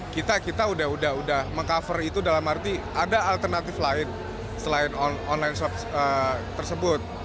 kita kita udah meng cover itu dalam arti ada alternatif lain selain online shop tersebut